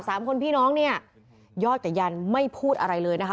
สามคนพี่น้องเนี่ยยอดกับยันไม่พูดอะไรเลยนะคะ